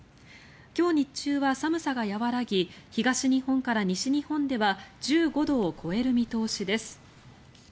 今日日中は寒さが和らぎ東日本から西日本では１５度を超える見通しです。